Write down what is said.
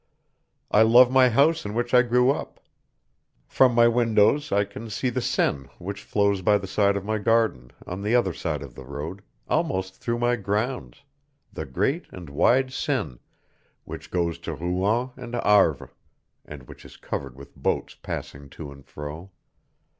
I love my house in which I grew up. From my windows I can see the Seine which flows by the side of my garden, on the other side of the road, almost through my grounds, the great and wide Seine, which goes to Rouen and Havre, and which is covered with boats passing to and fro.